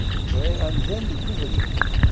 Zṛiɣ amdan deg ubrid.